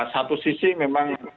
satu sisi memang